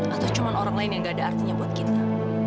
atau cuma orang lain yang gak ada artinya buat kita